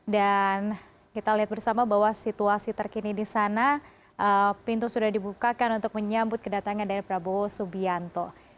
dan kita lihat bersama bahwa situasi terkini di sana pintu sudah dibukakan untuk menyambut kedatangan dari prabowo subianto